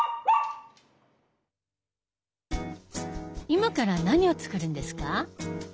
今から何を作るんですか？